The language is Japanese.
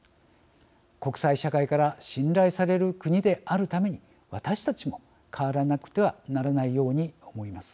国際社会から信頼される国であるために私たちも変わらなくてはならないように思います。